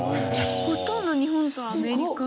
ほとんど日本とアメリカ？